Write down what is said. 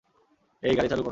এই, গাড়ি চালু করো।